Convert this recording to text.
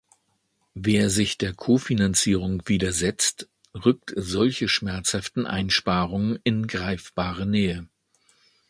Wer sich der Kofinanzierung widersetzt, rückt solche schmerzhaften Einsparungen in greifbare Nähe.